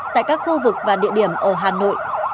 tại các khu vực và địa điểm ở hà nội